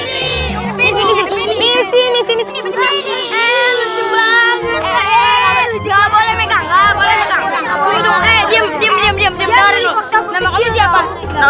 eh diam diam diam